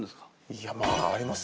いやまあありますよ。